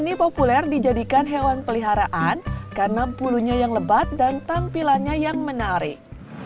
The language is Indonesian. dia juga diperkenalkan sebagai hewan peliharaan karena bulunya yang lebat dan tampilannya yang menarik